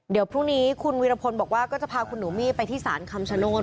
เดี๋ยวพรุ่งนี้คุณวีรพลบอกว่าก็จะพาคุณหนูมี่ไปที่ศาลคำชโนธ